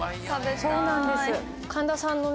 そうなんです。